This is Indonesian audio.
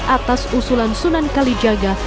atas usulan sunan kalijaga